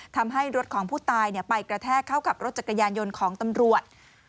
ทำให้รถของผู้ตายไปกระแทกเข้ากับรถจักรยานยนต์ของตำรวจ